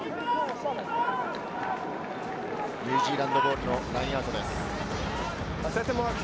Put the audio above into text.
ニュージーランドボールのラインアウトです。